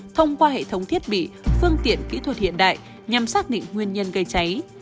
thông qua hệ thống thiết bị phương tiện kỹ thuật hiện đại nhằm xác định nguyên nhân gây cháy